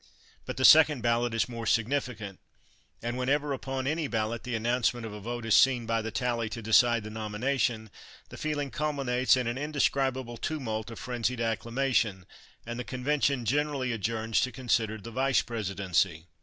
But the second ballot is more significant; and whenever upon any ballot the announcement of a vote is seen by the tally to decide the nomination, the feeling culminates in an indescribable tumult of frenzied acclamation, and the convention generally adjourns to consider the Vice Presidency.